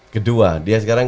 kedua dia sekarang